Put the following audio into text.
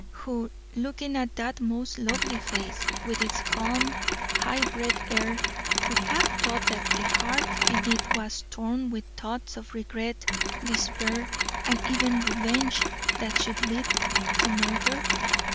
Who, looking at that most lovely face, with its calm, high bred air, would have thought that the heart beneath was torn with thoughts of regret, despair, and even revenge that should lead to murder?